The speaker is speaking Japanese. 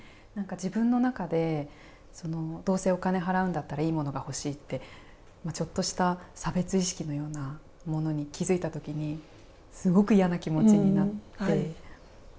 自分の中でどうせお金を払うんだったらいいものが欲しいってちょっとした差別意識のようなものに気付いたときにすごく嫌な気持ちになって。